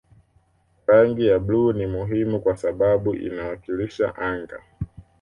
Rangi ya bluu ni muhimu kwa sababu inawakilisha anga